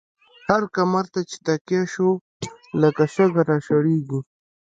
هر کمر ته چی تکيه شو، لکه شګه را شړيږی